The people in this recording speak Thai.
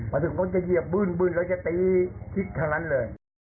มาถึงคนจะเหยียบบึ้นแล้วจะตีพลิกทั้งนั้นเลย